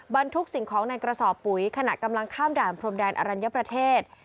บรรทุกสิ่งของในกระสอบปุ๋ยขณะกำลังข้ามด่านพรมแดนอรัญญประเทศ